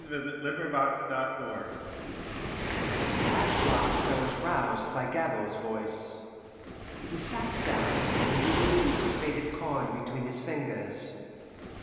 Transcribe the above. XI. THE COMING OF DOLTAIRE At last I was roused by Gabord's voice. He sat down, and drew the leaves of faded corn between his fingers.